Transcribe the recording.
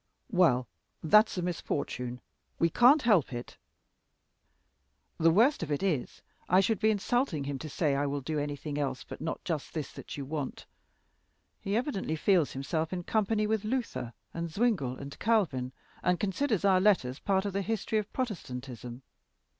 "Well, that's a misfortune; we can't help it." "The worst of it is, I should be insulting him to say, 'I will do anything else, but not just this that you want.' He evidently feels himself in company with Luther and Zwingle and Calvin, and considers our letters part of the history of Protestantism."